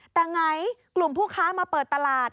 แต่ไงกลุ่มผู้ค้ามาเปิดตลาด